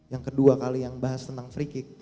yang kedua kali yang bahas tentang free kick